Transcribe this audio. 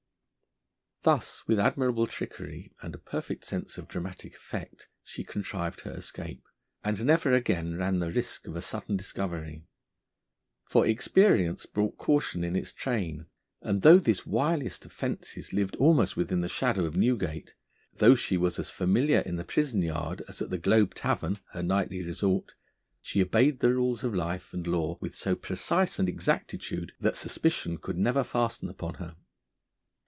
Thus with admirable trickery and a perfect sense of dramatic effect she contrived her escape, and never again ran the risk of a sudden discovery. For experience brought caution in its train, and though this wiliest of fences lived almost within the shadow of Newgate, though she was as familiar in the prison yard as at the Globe Tavern, her nightly resort, she obeyed the rules of life and law with so precise an exactitude that suspicion could never fasten upon her.